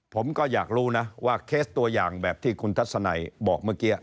ผมก็อยากรู้นะว่าเคสตัวอย่างแบบที่คุณทัศนัยบอกเมื่อกี้